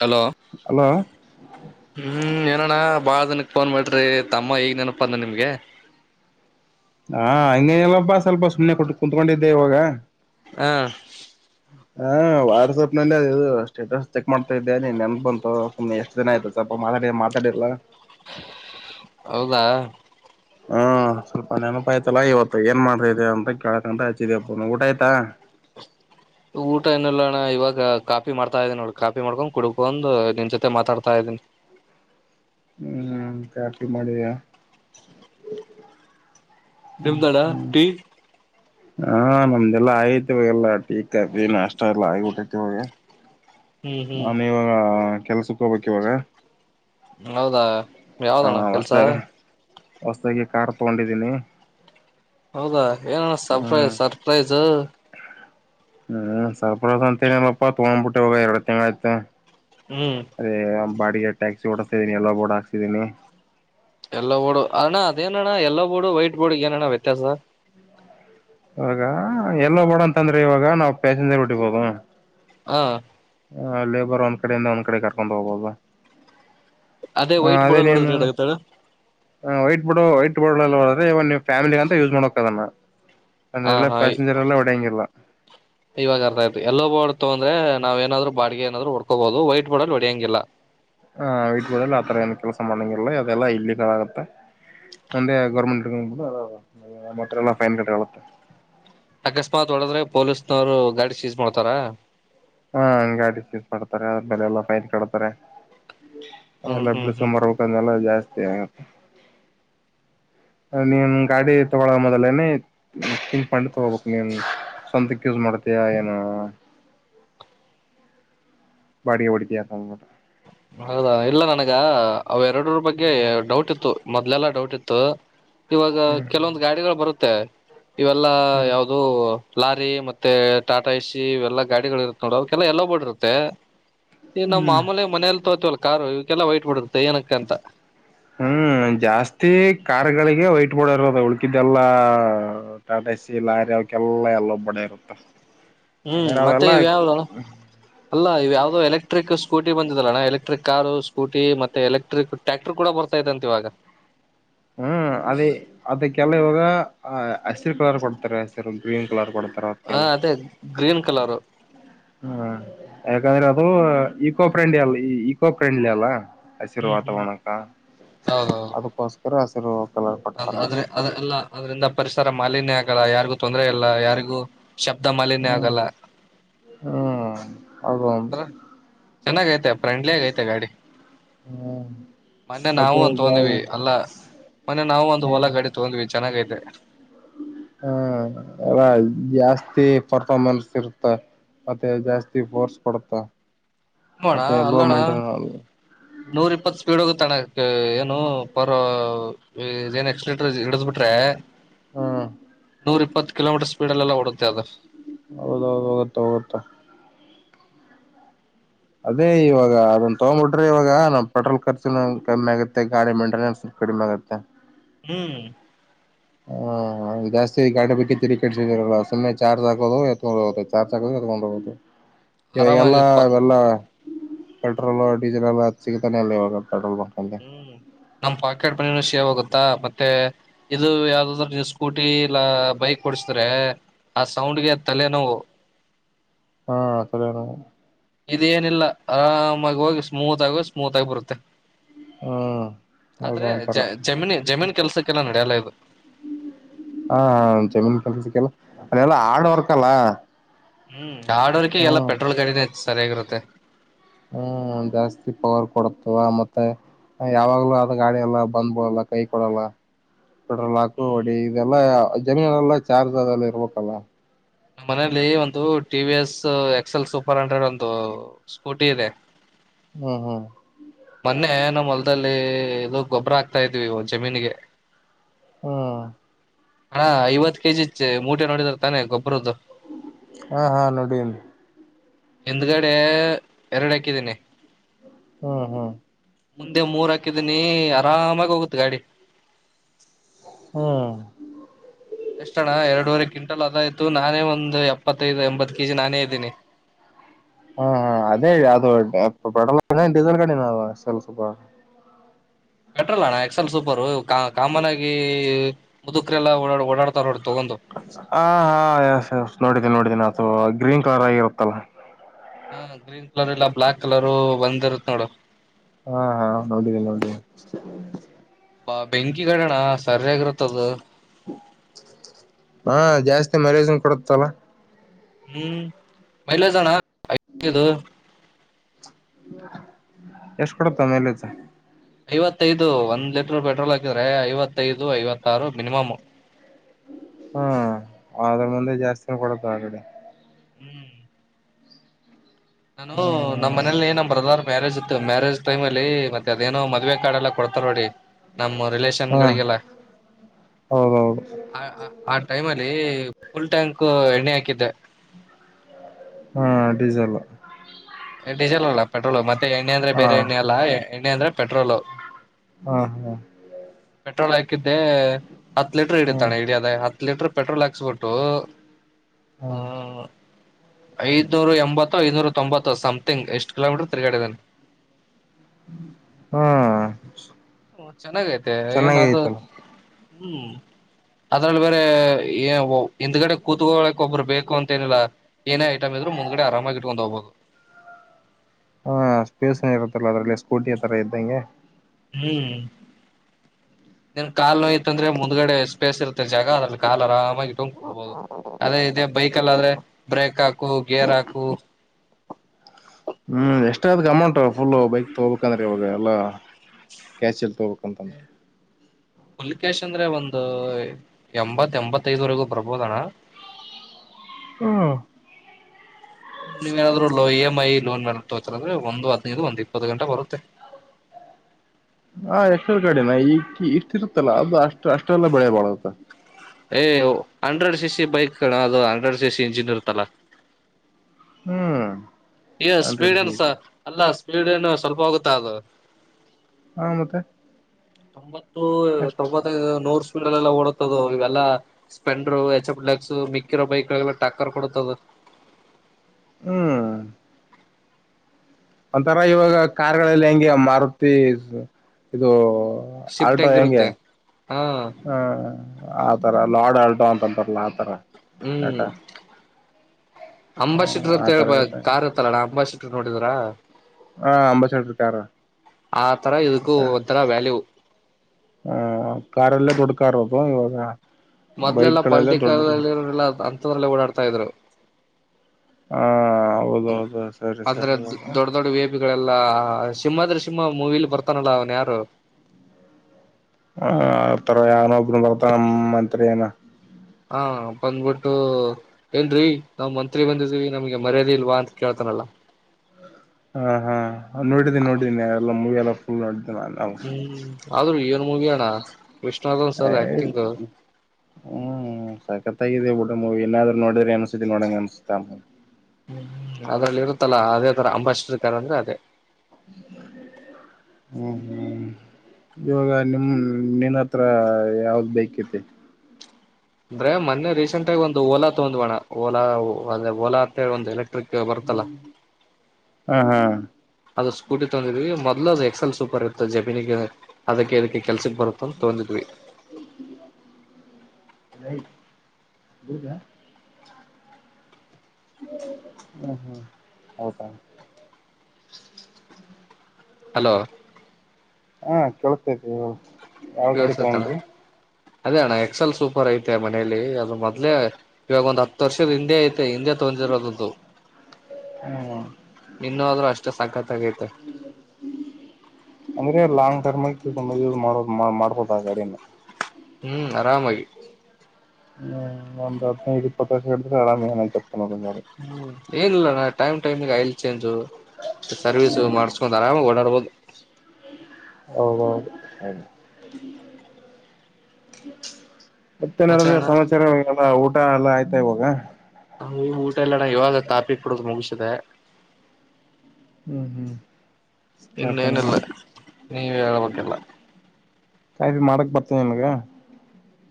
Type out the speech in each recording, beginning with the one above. Hello hello ಹ್ಮ ಹ್ಮ್ ಏನಣ್ಣ ಬಾಳ ದಿನಕ್ ಫೋನ್ ಮಾಡ್ರಿ ತಮ್ಮ ಈಗ್ ನೆನಪ ಅಂದ ನಿಮ್ಗೆ ಹಾ ಹಂಗಗೆಲ್ಲಬ್ಬಾ ಸ್ವಲ್ಪ ಸುಮ್ನೆ ಕೊಟ್ಟ ಕುಂತ್ಕೊಂಡಿದ್ದೆ ಇವಾಗ ಹಾಂ ಹಾ ವಾಟ್ಸಪ್ನಲ್ಲ ಅದು ಸ್ಟೇಟಸ್ ಚೆಕ್ ಮಾಡ್ತಾ ಇದ್ದೆ ನೀನ್ ನೆನ್ಪ ಬಂತು ಸು್ನೆ ಎಷ್ಟ ದಿನ ಆಯ್ತು ಸ್ಲ್ಪ ಮಾತಾಡಿ ಮಾತಾಡಿಲ್ಲ ಹೌದಾ ಹಾ ಸ್ವಲ್ಪ ನೆನಪ ಆಯ್ತಲ್ಲಾ ಇವತ್ತು ಏನ್ ಮಾಡ್ತಾ ಇದ ಅಂತ ಕೇಳಕಂತ ಹಚ್ಚಿದಪ್ಪ ಊಟ ಆಯ್ತಾ ಹ ಊಟ ಏಲ್ಲಣ್ಣ ಇವಾಗ ಕಾಪಿ ಮಾಡ್ತಾ ಇದೇ ನೋ ಕಾಪಿ ಮಾಡ್ಕೊಂಡು ಕುಡ್ಕೊಂಡ್ ನಿನ್ ಜೊತೆ ಮಾತಾಡ್ತಾ ಇದಿ ಹ ಹ್ಮ್ ಕ್ಯಾಪಿ ಮಾಡಿಯಾ ನಿಮ್ದಾ ಅಣ್ಣ ಟೀ ಹಾ ನಮ್ದೆಲ್ಲಾ ಆಗತಿವ ಎಲ್ಲ ಟೀ ಕಾಫಿ ನಾಷ್ಟ ಎಲ್ಲ ಆಗಿಬಿಟ್ಟೈತಿವಾಗ ಹ್ಮ್ ಹ್ಮ್ ನಾನ ಇವಾಗ ಕೆಲ್ಸಕ್ ಹೋಗ್ಕ್ ಇವಾಗ ಹೌದಾ ಯಾವ್ದಣ್ಣ ಕೆಲ್ಸ ಹೊಸದಾಗಿ ಕಾರ್ ತಗೊಂಡಿದ್ದೀನಿ ಹೌದಾ ಏನಣ ಸರ್ಪ್ರೈ ಹ್ಮ್ ಸರ್ಪ್ರೈಸ್ ಹ್ಮ್ ಸರ್ಪ್ರಸ್ ಅಂತ ಏನಲ್ಪ್ಪಾ ತಗೊಂಡ್ಬಿಟ್ಟೆ ಹೋಗ ಎರಡ್ ತಿಂಗ್ ಆಯ್ತ ಹ್ಮ್ ಅದೇ ಬಾಡಿಗೆ ಟ್ಯಾಕ್ಸಿ ಓಡಸ್ತಿದೀನಿ ಎಲ್ಲ ಬಓಡ ಹಾಕ್ಸಿದೀನಿ ಎಲ್ಲೋ ಬೋರ್ಡ್ ಅಣ್ಣ ಅದೇನಣ್ಣ ಎಲ್ಲೋ ಬೋರ್ಡ್ ವೈಟ್ ಬೋರ್ ಏನಣ್ಣ ವ್ಯತ್ಯಾಸ ಇವಾಗ ಎಲ್ಲೋ ಬೋರ್ಡ್ ಅಂತಂದ್ರೆ ಇವಾಗ ನಾವ್ ಪ್ಯಾಸೆಂಜರ್ ಹೊಟ್ಟಬೋದು ಹಾ ಹ ಲೇಬರ್ ಒಂದ್ ಕಡೆಯಿಂದ ಒಂದ್ ಕಡೆ ಕರ್ಕೊಂಡು ಹೋಗ್ಬೋದಾ ಅದೇ ವೈಟ್ ಬೋಡಲ್ ನೋಡದೇ ಆಗುತ್ತಾ ಹ ವೈಟ್ ಬಡ್ ವೈಟ್ ಬೋರ್ಡ್ ಎಲ್ಲ್ರೆ ಇವನ್ವು ಫ್ಯಾಮಿಲಿ ಅಂತ ಯೂಸ್ ಮಾಡಕದನ್ನ ಹ ಹಾ ಇವಾಗ ಅರ್ಥ ಆಯ್ತು ಎಲ್ಲೋಬ್ಬ ಇ ಅಂದ್ರೆ ನಾವ ಏನಾದ್ರು ಬಾಡ ಏನಾದರು ಹೊಡ್ಕೋಬಹುದು ವೈಟ್ ಬೋರ್ಡ್ ಹೊಡೆಯಂಗಿಲ್ಲ ಹ ವಟ್ಲ್ಲಿ ಆತರ ಏನ್ ಕೆಲಸ ಮಾಡಂಗಿರಲ್ಲ ಅದೆಲ್ಲ ಇಲ್ಲಿ ಕ ಆಗತ್ತೆ ಒಂದೆ ಗೌರ್ಮೆಂಟ್ ಹಡ್ಕೊಂಡ್ಬ ಮಾತ್ರ ಎಲ್ಲ ಫೈನ್ ಕಟ್ಟುತ್ತೆ ಅಕಸ್ಮಾತ್ ಹೊಡದ್ರೆ ಪೊಲೀಸ್ನವರು ಗಾಡಿ ಸೀಸ್್ ಮಾಡ್ತಾರ ಹಾ ಅಂಗಾಡಿ ಸಿಸ್ ಮಾಡಡ್ತಾರೆ ಅ ಬೆಲೆ ಎಲ್ಲ ಪೈನ್ ಕಡತಾರೆ ಹ್ಮ್ ಎಲ್ಲ ಹ್ಮ್ ಹ್ಮ್ ಬಿಡ್ಸುಂಬಾರಬೇಕಂದೆಲ್ಲ ಜಾಸ್ತಿ ಆಗೆ ನೀನ್ ಗಾಡಿ ತಗೊಳ ಮೊದಲೇನೆೇ ತಿತ್ಕೊಂಡು ತಗೋಬೇಕಕ್ ನೀನ್ ಸ್ವಂತಕ್ ಯೂಸ್ ಮಾಡ್ತಯ ಏನು ಬಡಿಗೆ ಹೊಡಿತಾ ಹೌದಾ ಇಲ್ಲ ನನಗ ಅವ ಎರಡೂರ್ ಬಗ್ಗೆ ಡೌಟ್ ಇತ್ತು ಮೊದ್ಲೆಲ್ಲಾ ಡೌಟ್ ಇತ್ತು ಇವಾಗ ಕೆಲವೊಂದು ಹ್ಮ್ ಗಾಡಿಗಳು ಬರುತ್ತೆ ಇವೆಲ್ಲಾ ಯಾವುದು ಲಾರಿ ಮತ್ತೆ ಟಾಟಾ ಎಸಿ ಇವೆಲ್ಲಾ ಗಾಡಿಗಳು ಇರುತ್ತೆ ನೋಡ ಅದಕ್ಕೆಲ್ಲ ಎಲ್ಲೋ ಬಡ್ ಇರುತ್ತೆ ಈ ನಮ್ಮ್ ಮಾಮೂಲೆ ಮನಲ್ ಕಾರು ಇವಕ್ಕೆಲ್ಲ ವೈಟ್ ಬಿಡತ್ತೆ ಏನಕ್ಕೆ ಅಂತ ಹ್ಮ್ ಜಾಸ್ತಿ ಕಾರಾರ್ಗಳಿಗೆ ವೈಟ್ ಬಡ ಇರದ ಉಳ್ಕಿದ್ದೆಲ್ಲ ಬಸಿ ಲಾರಿ ಅವಕ ಎಲ್ಲ ಎಲ್ಲೊ ಬೋರ್ಡ್ ಇರುತ್ತೆ ಹ್ಮ್ ಮತ್ತೆ ಇವ ಯಾವ ಅಲ್ಲ ಇವ ಯಾವ್ದೋ ಎಲೆಕ್ಟ್ರಕ್ ಸ್ಕೂಟಿ ಬಂದಿದ ಅಲ್ಲಣ ಎಲೆಕ್ಟ್ರಿಕ್ ಕಾರು ಸ್ಕೂಟಿ ಮತ್ತ ಎಲೆಕ್ಟ್ರಿಕ್ ಟ್ಯಾಕ್ಟರ್ ಕೂಡ ಬರ್ತದೆ ಇದಂತ ಇವಾಗ ಹ್ಮ್ ಅದೇ ಅದಕ್ಕೆಲ್ಲ ಇಾಗ ಹಸಿರು ಕಲರ್ ಕೊಡ್ತಾರೆ ಹಸಿರು ಗ್ರೀನ್ ಕಲರ್ ಕೊಡ್ತಾರೆ ಹಾ ಅದೇ ಗ್ರೀನ್ ಕಲರ್ ಹಾ ಯಾಕಂದ್ರೆ ಅದು ಈಕೋ ಫ್ರೆಂಡ್ಲಿ ಅಲ್ಲ ಈಕೋ ಫ್ರೆಂಡ್ಲಿ ಅಲ್ಲ ಹ್ಮ್ ಹ್ಮ್ ಹಶೀರ್ವತಾವರಣಕ್ಕ ಅದಕ್ಕೋಸ್ಕರ ಹಶೀರ್ವಾದ ಅ್ರೆ ಅಲ್ಲ ಅದ್ರಿಂದ ಪರಿಸರ ಮಾಲಿನ್ಯ ಆಗಲ್ಲ ಯಾರ್ಗೊ ತೊಂದ್ರ ಅಲ್ಲ ಯಾರಿಗೂ ಶಬ್ದ ಮಾಲಿನ್ಯ ಹ್ಮ್ ಆಗಲ್ಲ ಹ್ಮ್ ಹಾಗಗ ಚೆನ್ನಾಗ ಐತೆ ಫ್ರೆಂಡ್ಲಿ ಆಗ ಐತೆ ಗಾಡಿ ಮೊ ನಾವು ಮತ್ತೆ ಒಂದ ತೊಂದ್ವಿ ಹ್ಮ್ ಅಲ್ಲಾ ಮನೆ ನಾವು ಒಂದು ಹೊ ಒಲ ಗಡೆಡಿ ತೊಂದ್ವಿ ಚೆನ್ನಾಗ ಐತಿ [inaudible] ಹ್ಮ ಎಲ್ಲ ಜಾಸ್ತಿ ಪರ್ಫ್ಮೆನ್ಸ್ ಇರುತ್ತ ಮತ್ತ ಜಾಸ್ತಿ ಫೋರ್ಸ್ ಪಡ್ತಾ ನಮ್ಮೋಣ ಅಲ್ಲೋಣ್ಣ ನೂರ್ ಇಪ್ಪತ್ ಸ್ಪೀಡ್ ಹೋಗುತ್ತಣ ಏನು ಪರ್ಏನ್ ಎಕ್ಸ್ಲಟ್ರ ಇಡಸ್ ಬಿಿಟ್ರೆ ಹ್ಮ್ [inaudible] ನೂರ್ ಇಪ್ಪತ್ತು ಕಿಲೋಮೀಟರ್ ಸ್ಪೀಡ್ಲ್ಲೆಲ್ಲ ಓಡಂತೆೆ ಅದು ಹೌದೌದು ಹೋಗತ್ತಾ ಹೋಗತ್ತಾ ಅದೇ ಇವಾಗ ಅದನ್ ತಗ್ಬಿಟ್ರಿ ಇವಾಗ ನಮ್ಮ್ ಪೆಟ್ರೋಲ್ ಖರ್ಚುನು ಕಮ್ಮಿ ಆಗತ್ತೆ ಗಾಡಿ ಮೇಂಟೆನೆನ್ಸ್ ಕಡಿಮಾಗತ ಹ್ಮ್ ಹ್ಮ ಹ ಜಾಸ್ತಿ ಗಾಡಿ ಬಿಟ್ಟಿ ತಿರಿ ಕೆಿದಲ್ಲ ಸುಮ್ಮನೆ ಚಾರ್ಜ್ ಆಗೋದು ಎೊಂಡೋಗ ಚಾರ್ಜ್ ಆಗ ಎಕೊಂಡ್ ಹೋಗೋುದು ಇವಾಗ ಎಲ್ಲ ಆರಾಮಾಗಿಪ್ಪ ಇಲ್ಲ ಪೆಟ್ರೋಲ್ ಡೀಸೆಲ್ ಎಲ್ಲ ಸಿಗ್ತಾನೆ ಎಲ್ಲ ಇವಾಗ ಪೆಟ್ರೋಲ್ ಬಂಕ್ ಅಲ್ಲಿ ಹ್ಮ್ ನಮ್ ಪಾಕೆಟ್ ಮನನು ಸೇವ್ಗುತ್ತಾ ಮತ್ತೆ ಇದು ಯಾವ್ದಾದ್ರ ನೀವು ಸ್ಕೂಟಿ ಇಲ್ಲ ಬೈಕ್ ಕೊಡಸಿದ್ರೆ ಆ ಸೌಂಡ್ ಗೆ ತಲೆ ನೋವು ಹಾ ಸರಿಣ ಇದೇನಿಲ್ಲ ಆರಾಮಾಗಿ ಹೋಗಿ ಸ್ಮೂತ್ ಆಗ ಸ್ಮೂತ್ ಆಗ ಬರುತ್ತೆ ಹ್ಮ್ [inaudible] ಅದು ಆದ್ರೆ ಒಂತರ ಜ ಜಮೀನು ಜಮೀನು ಕೆಲ್ಸಕ್ಕೆಲ್ಲ ನಡೆಯಲ್ಲ ಇದು ಹಾ ಜಮೀನ್ ಕಲ್ಸಕ್ಕೆಲ್ಲ ಅೆಲ್ಲ ಹಾಡ್ ವರ್ಕ್ಲ್ಲ ಹ್ಮ್ ಆಡೋರ್ಕ ಎಲ್ಲಾ ಪೆಟ್ರೋಲ್ ಗಡಿನೇ ಸರಿಯಾಗಿರುತ್ತೆ ಹ್ಮ್ ಜಾಸ್ತಿ ಪವರ್ ಕೊಡತವಾ ಮ ಮತ್ತ ಯಾವಾಗ್ಲೂ ಅದು ಗಾಡಿ ಎಲ್ಲ ಬಂದ್ಬಡಲ್ಲ ಕೈ ಕೊಡಲ್ಲ ಪೆಟ್ರೋಲ್ ಹಾಕು ಹೊಡಿ ಇದೆಲ್ಲಾ ಜಮೀನ್ಲ್ಲಾ ಚಾರ್ಜ್ ಅಲ್ಲ ಇರ್ಬೇಕಲ್ಲ ನಮ್ಮ ಮನೇಲಿ ಒಂದು T V S X L super hundred ಒಂದು ಸ್ಕೂಟಿ ಇದೆ ಹ್ಮ್ ಹ್ಮ್ ಲ್ಲಿ ಎೋ ಗೊಬ್ಬರ ಆಕ್ತಾ ಇದ್ವಿ ಒ ಜಮೀನಿಗೆ ಹ್ಮ ಹಾ ಐವತ್ ಕೆಜಿ ಇ ಮೂಟೆ ನೋಡಿದಾರ ತಾನೆ ಗೊಬರದ್ದು ಹಾ ಹಾ ನೋಡೀನ್ ಹಿಂದ್ಗಡೆ ಎರಡು ಹಾಕಿದೀನಿ ಹ್ಮ್ ಹ್ಮ್ ಮುಂದೆ ಮೂರ್ ಹಾಕಿದೀನಿ ನೀ ಆರಾಮಾಗಿ ಹೋಗುತ್ತ ಗಾಡಿ ಹ್ಮ್ ಎಷ್ಟ ಅಣ್ಣ ಎರಡೂುವರೆ ಕ್ವಿಂಟಲ್ ಅದಾಯ್ತು ನಾನೇ ಒಂದ್ ಎಪ್ಪತ್ತೈದು ಎಂಬತ್ತು ಕೆ ಜಿ ನಾನೇ ಇದ್ದೀನಿ. ಹಾ ಹ ಅದೇ ಅದು ಪೆಟ್ರೋಲ್ ಗಾಡಿನ ಡೀಸೆಲ್ ಗಾಡಿನ ಅದೂ ಸ್ವಲ್ಪ ಪೆಟ್ರಲ್ಲ ಅಣ್ಣ ಎಕ್ಸೆಲ್ ಸೂಪರ್ ಕಾಮನ್ ಆಗಿ ಮುದುಕರ ಎಲ್ಲಾ ಓಡಾಡ್ತಾರ ನೋಡ್ ಹ ಹಾ ಎಸ್ ಎಸ್ ನೋಡಿದ್ದೀನಿ ನೋಡಿದ್ದೀನಿ ಅದು ಗ್ರೀನ್ ಕಲರ್ ಆಗಿರುತ್ತಲ್ಲ ಹ ರುತ್ ನೋಡೋ ಹಾ ಹಾ ನೋಡಿದ್ದಿನಿ ನೋಡಿದಿನಿ ಬೆಂಕಿ ಗಡಣ ಸರಿಯಾಗಿರುತ್ತದ ಹಾ ಜಾಸ್ತಿ ಮೇಲೆಜ್ನು ಕೊಡತ್ತಲ್ಲ ಹ್ಮ್ ಮೈಲೇಜ್ ಅಣ್ಣ ಇದು ಎಷ್ಟ ಕೊಡುತ್ತ ಮೈಲೇಜ್ ಐವತ್ತದು ಒಂದ್ ಲೀಟರ್ ಪೆಟ್ರೋಲ್ ಹಾಕಿದ್ರೆ ಐವತ್ತದು ಐವತ್ತಾರು ಮಿನಿಮಮ್ ಹ್ಮ ಆದ್ರ ಮುಂದೆ ಜಾಸ್ತಿನ ಕೊಡುತ್ತ ಆ ಕಡೆ ಹ್ಮ್ ನಾನು ಹ್ಮ ನಮ್ಮ್ ಮನೇಲಿ ಏ ನಮ್ಮ್ ಬ್ರದರ್ ಮ್ಯಾರೇಜ್ ಇತ್ತು ಮ್ಯಾರೇಜ್ ಟೈಮ್ ಅಲ್ಲಿ ಮತ್ತೆ ಅದೇನೋ ಮದ್ವೆ ಕಾಡೆ ಎಲ್ಲ ಕೊಡ್ತಾರ ನೋಡಿ ನಮ್ಮ ರಿಲೇಷನ್ ಹಾ ಗಳಿಗೆಲ್ಲ ಹೌದೌದು ಆ ಟೈಮ್ಲ್ ಫುಲ್ ಟ್ಯಾಂಕ್ ಎಣ್ಣೆ ಹಾಕಿದ್ದೆ ಹಾ ಡೀಸೆಲ್ ಡೀಸೆಲ್ ಅಲ್ಲ ಪೆಟ್ರೋಲು ಮತ್ತೆ ಎಣ್ಣೆ ಅಂದ್ರೆ ಹಾ ಬೇರೆ ಎಣ್ಣೆ ಅಲ್ಲಾ ಎಣ್ಣೆ ಅಂದ್ರೆ ಪೆಟ್ರೋಲ್ ಹಾ ಹಾ ಪೆಟ್ರೋಲ್ ಹಾಕಿದ್ದೆ ಹತ್ ಲೀಟರ್ ಹಾ ಹಿಡಿತ ಅಣ್ಣ ಹಿಡಿಯದ ಹತ್ ಲೀಟರ್ ಪೆಟ್ರೋಲ್ ಹಾಕ್ಸ್ಬಿಟ್ಟು ಹಾ ಆ ಐದನೂರ ಎಂಬತ್ತು ಐದನೂರ ತೊಂಬತ್ತು ಸಮ್ಥಿಂಗ್ ಎಷ್ಟು ಕಿಲೋಮೀಟರ್ ತಿರ್ಗಡೆ ಇದಾನೆ ಹ್ಮ್ ಹ ಚೆನ್ನಾಗೈತೆ ಏನ ಅದು ಹ್ಮ್ ಅದ್ರಲ್ಲಿ ಬೇರೆ ಹಿಂದ್ಗಡೆ ಕೂತ್ಕೊಳ್ಳಕ್ ಒಬರು ಬೇಕು ಅಂತೇನಿಲ್ಲ ಏನೇ ಐಟಮ್ ಇ ಮುಂದಗಡೆ ಆರಾಮಾಗಿ ಇಟಗೊಂಡ ಹೋಗಬಹುದು ಹಾ ಸ್ಪೇಸ್ ಇರುತ್ತಲ್ಲ ಅದ್ರಲ್ಲಿ ಸ್ಕೂಟಿ ತರ ಇದ್ದಂಗೆ ಹ್ಮ್ ನಿನ್ ಕಾಲ್ ನೋಯ್ತಂದ್ರೆ ಮುಂದ್ಗಡೆತ ಸ್ಪೇಸ ಇರ್ತ್ತ ಜಾಗ ಅದ್ರಲ್ಲಿ ಕಾಲ ಆರಾಮ ಇಟಗೊಂಡ ಕುಂದರ್ಬಹುದು ಅದೇ ಇದೇ ಬೈಕ್ ಅಲ್ಲಿ ಆದ್ರೆ ಬ್ರೇಕ್ ಹಾಕು ಗೇರ್ ಹಾಕು ಹ್ಮ್ ಎಷ್ಟಾದ ಅಮೌಂಟ್ ಫುಲ್ ಬೈಕ್ ತಗೋಬೇಕ್ಂದ್ರೆ ಇವಾಗ ಎಲ್ಲಾ ಕ್ಯಾಚ ಎಲ್ಲಿ ತೊಬೇಕಂತಂದ್ರೆ ಹುಲಕೇಶ್ ಅಂದ್ರೆ ಒಂದು ಎಂಬತ್ ಎಂಬತ್ತಐದ್ವರೆಗೂ ಬರ್ಬೋದಣ್ಣ ಹ್ಮ್ ನೀವ್ ಏನಾದ್ರು ಲೊ ಇ ಎಮ ಐ ಲೋನ್ ಮೇಲೆ ತೊಂತೀರಿ ಅಂದ್ರೆ ಒಂದು ಅದಿನೈದು ಒಂದ ಇಪ್ಪತ್ತು ಗಂಟೆ ಬರುತ್ತೆ ಹಾ ಎಕ್ಷಲ ಗಾಡಿನ ಈ ಇಷ್ಟಿರುತ್ತಲ್ಲ ಅದು ಅಷ್ಟ ಅಷ್ಟೆಲ್ಲ ಬೆಳೆ ಬಾಳತ್ತ ಅಂಡ್ರೆಡ್ ಸಿ ಸಿ ಬೈಕ್ ಅದು ಹಂಡ್ರೆಡ್ ಸಿ ಸಿ ಇಂಜಿನ್ ಇರುತ್ತಲ್ಲ ಹ್ಮ್ ಈ ಹಂಡ್ರೆಡ್ ಸ್ಪೀಡ್ ಏನ್ ಜಿ ಅಲ್ಲ ಸ್ಪೀಡ್ ಏನು ಸ್ವಲ್ಪ ಹೋಗುತ್ತ ಅದು ಹಾ ಮತ್ತೆ ತೊಂಬತ್ತು ಎಷ್ಟು ತೊಂಬತೈದು ನೂರು ಲ್ಲಲ್ಲ ಓಡುತ್ತದು ಇವೆಲ್ಲ ಸ್ಪಲೆಂಡರ್ ಎಚ್ ಎಫ್ ಕ್ಸ್ ಮಿಕ್ಕಿರೋ ಬೈಕ್ ಗಳೆಲ್ಲ ಟಕ್ಕರ್ ಕೊಡುತ್ತದ ಹ್ಮ್ ಒಂಥರ ಇವಾಗ ಕಾರ್ಗಳಲ್ಲಿ ಹೆಂಗೆ ಮಾರುತಿ ಇದು ಶಿಫ್ಟ್ ಆಲ್ಟೋ ಹೆಂಗೆ ಹೆಂಗಿರುತ್ತೆ ಹಾ ಹ ಆತರ ಲಾಡ್ ಆಲ್ಟೋ ಅಂತ ರ ಟಾಟಾ ಅಂಬಾ ಶೆಟ್ ಅಂತ ಆತರ ಹೇಳ್ಬ ಇದ್ದಂಗೆ ಕಾರ್ ಇತ್ತಲ್ಲಣ್ಣ ಅಂಬಾ ಶೆಟ್ನೋಡಿದ್ರ ಹಾ ಅಂಬ ಸರರ್ಕಾರ ಆ ತರ ಇದಕ್ಕೂ ಹಾ ಒಂಥರ ವ್ಯಾಲ್ಯೂ ಕಾರಲ್ಲೇ ದುಡ್ಕರೋದು ಇವಾಗ ಬೈಕ್ ಮೊದ್ಲೆಲ್ಲಾ ಗಳೆಲ್ಲ ದೊಡ್ಡದು ಪಾಲಟಿಕಲ್ಲ್ಅಂಥದ್ರಲ್ಲೇ ಓಡಾಡ್ತಾ ಇದ್ರು ಹಾ ಹೌದೌದು ಸರಿ ಸರಿ ಅಂದ್ರೆ ಇವಾಗ ದೊಡ್ ದೊಡ್ಡ ವೇಪಿಗಳೆಲ್ಲಾ ಸಿಂಹದೃಶಿ ಸುಮ್ಮ ಮೂವಿಲಿ ಬರ್ತಾನಲ್ಲ ಅವನ್ ಯಾರು ಹ ಆ ತರ ಯಾವನ ಒಬ ಬರ್ತ ನಮ್ಮ ಮಂತ್ರಿ ಏನ ಹಾ ಬಂದ್ಬಿಟ್ಟು ಏನ್ರರಿ ನಾವ್ ಮಂತ್ರಿ ಬಂದಿದ್ವಿ ನಮ್ಗೆ ಮರ್ಯಾದೆ ಇಲ್ವಾ ಅಂತ ಕೇಳ್ತನ್ ಲ ಹಾ ಹಾ ನೋಡಿದ್ದೀನಿ ನೋಡಿನಿ ಎಲ್ಲ ಮೂವಿ ಎಲ್ಲ ಫುಲ್ ನೋಡಿ ಹ್ಮ್ ಆದ್ರೂ ಏನ್ ಮೂವಿ ಅಣ್ಣ ಕೃಷ್ಣಾರ್ಥನ್ ಸರ್ ಆಕ್ಟಿಂಗ್ ಹ್ಮ್ ಸತ್ಗಾಗಿದೆ ಬುಡ ಏನಾದ್ರು ನೋಡಿದ್ರಿ ಅನ್ಸತಿ ನೋಡಂಗ ಅನ್ಸತ ಾರೆಂತ ಅದೇ ಹ್ಮ ಹ್ಮ್ ಇವಾಗ ನಿಮ ನಿನ್ನ ಹತ್ರ ಯಾವ್ದ ಬೇಕತಿ ಅಂದ್ರೆ ಮೊನ್ನೆ ರೀಸೆಂಟ್ ಆಗಿ ಒಂದು ಓಲಾ ತೊಂದ್ೋಣ ಓಲಾ ಓಲಾ ಅ ಒಂದು ಎಲೆಕ್ ಹಾ ಹಾ ಅದ ಸ್ಕೂಟಿ ತೊಂದಿದೀವಿ ಮೊದ್ಲು ಅದು ಎಕ್ಸೆಲ್ ಸೂಪರ್ ಇರುತ್ತ ಜಮೀನಿಗೆ ಅದಕ್ಕೆ ಅದಕ್ಕೆ ಕೆಲ್ಸಕ್ ಬರುತ್ತ ತೋಂದಿಿದ್ದವಿ ಬೂದಾ ಹ್ಮ ಹ್ಮ್ ಹೌದಾ ಹಲೋ ಹಾ ಕೇಳ್ತೇತಿ ಯಾವ ಗಾಡಿ ಕೇಳಸತಣ ತಗೊಂಡ್ರಿ ಅದೇ ಎಕ್ಸಲ್ ಸೂಪ್ ರ ಐತೆ ಮನೇಲಿ ಅದು ಮೊದ್ಲೇ ಇವಾಗ ಒಂದ್ ಹತ್ತು ವರ್ಷದ ಹಿಂದಿಯ ಐತೆ ಹಿಂದೆ ತೊಂದಿರೋದ್ದದು ಹ ಇನ್ನಾದ್ರೂ ಅಷ್ಟು ಸಕ್ಕತ್ತಗೈತೆ ಅಂದ್ರೆ ಲಾಂಗ್ ಟರ್ಮ್ ಆಗ ಯ ಮಾಡೋದು ಮಾಡ್ಬೋದ ಆ ಗ ಅಾಡಿನ ಹ್ಮ್ ಆರಾಮಾಗಿ ಹ್ಮ ಒಂದ್ ಹದ್ರೆರೆನೈದು ಇಪ್ಪತ್ತುಕ್ಷ ಹಿದ್ರೆ ಆರಾಮ ಏನತ ಹ್ಮ್ ಏನಿಲ್ಲ ನಾ ಟೈಮ್ ಟೈಮ್ಗೆ ಐಲ್ ಚೇಂಜ್ ಸರ್ವಿಸಸ ಮಾಡಸ್ಕೊಂಡ ಆರಾಮ ಓಡಾಡ್ಬೋದು ಹ ಮತ್ತೆ ಮತ್ತೆನಡ್ರೆ ಅಣ್ಣ ಸಮಾಚಾರೆಲ್ಲ ಊಟ ಎಲ್ಲ ಆಯ್ತಾ ಇವಾಗ ಹ ಈ ಊಟ ಎಲ್ಲಣ ಇವಾಗ ತಾಪಿ ಕೊಡುದು ಮುಗಿಸಿದೆ ಹ್ಮ್ ಹ್ಮ್ ಕಾಫಿನ ಇನ್ನೇನಲ್ಲ ನೀ ವೇಳ ಬಕ್ಕಲ್ಲ ಕಾಯತ್ರಿ ಮಾಡಕ್ ಬರ್ತೇನಿ ನಿನ್ಗ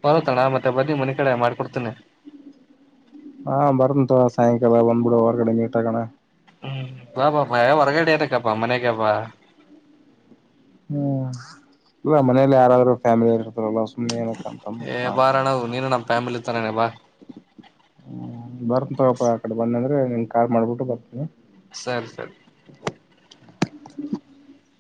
ಬರುತಣ ಮತ್ತೆ ಬದಿ ಮನೆ ಕಡೆ ಮಾಡ್ಕೊಡ್ತೇನೆ ಹಾ ಬರಂತ ಸಾಯಂಕಾಲ ಬಂದ್ಬಿಡು ಹೊರಗಡೆ ಮೀಟ್ ಆಕೋಣ ಹ್ಮ್ ಬಾ ಪಾಪಾ ಯ ಹೊರಗಡ ಅತಕ್ಕಪ್ಪಾ ಮನೆೇಕಪಾ ಹ್ಮ್ ಇಲ್ಲ ಮನೇಲಿ ಯಾರಾದ್ರು ಫ್ಯಾಮಿಲಿ ಇರ್ತಾರಲ್ಲ ಸುಮ್ಮ್ನೆ ಏನ ಏ ಬಾರ ನವು ನೀನು ನಮ್ಮ್ ಫ್ಯಾಮಿಲಿ ತರನ ಬಾ ಹ್ಮ ಬರ ತಗಪ್ಪ ಆ ಕಡೆ ಬನ್ನ ಅಂದ್ರೆ ನಿನ್ ಕಾಲ್ ಮಾಡ್ಬಿಟ್ಟು ಬರ್ತೀನಿ ಸರಿ ಸರಿ [inaudible]